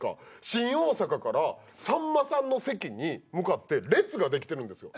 新大阪からさんまさんの席に向かって列が出来てるんですよ。